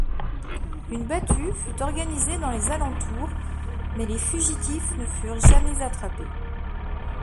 Une battue fut organisée dans les alentours mais les fugitifs ne furent jamais attrapés.